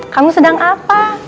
kamu sedang apa